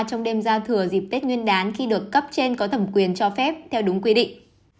trong đêm giao thừa dịp tết nguyên đán khi được cấp trên có thẩm quyền cho phép theo đúng quy định